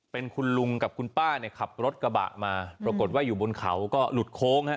เป็นคุณลุงกับคุณป้าเนี่ยขับรถกระบะมาปรากฏว่าอยู่บนเขาก็หลุดโค้งฮะ